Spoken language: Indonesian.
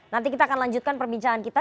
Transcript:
nanti kita akan lanjutkan perbincangan kita